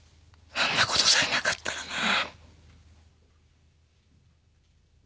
あんなことさえなかったらなあ。